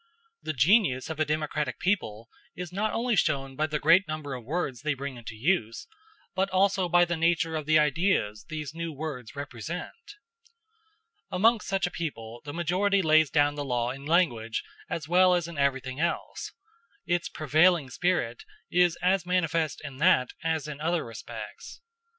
The genius of a democratic people is not only shown by the great number of words they bring into use, but also by the nature of the ideas these new words represent. Amongst such a people the majority lays down the law in language as well as in everything else; its prevailing spirit is as manifest in that as in other respects.